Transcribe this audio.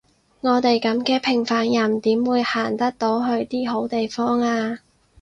我哋噉嘅平凡人點會行得到去啲好地方呀？